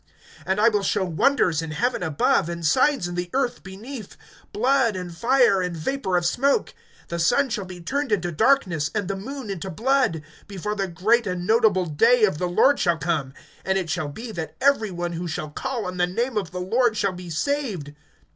(19)And I will show wonders in heaven above, And signs in the earth beneath, Blood, and fire, and vapor of smoke. (20)The sun shall be turned into darkness, And the moon into blood, Before the great and notable day of the Lord shall come. (21)And it shall be, that every one who shall call on the name of the Lord shall be saved.